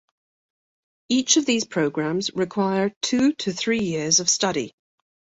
Each of these programs require two to three years of study.